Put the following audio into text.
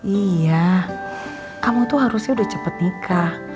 iya kamu tuh harusnya udah cepet nikah